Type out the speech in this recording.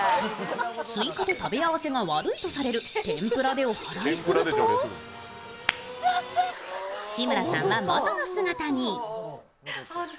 スイカと食べ合わせが悪いとされる天ぷらでおはらいすると、志村さんは元の姿に。